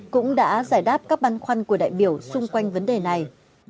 cũng đã giải đáp các băn khoăn của đại biểu xung quanh vấn đề này